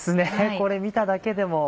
これ見ただけでも。